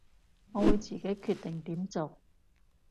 我會自己決定點做